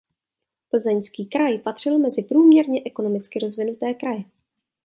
Plzeňský kraj patří mezi průměrně ekonomicky rozvinuté kraje.